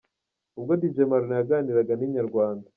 Ubwo Dj Marnaud yaganiraga na Inyarwanda.